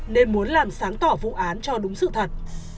nên muốn làm sáng tỏ vụ án cho đúng sự thật